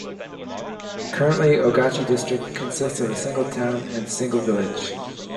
Currently, Ogachi District consists of a single town and single village.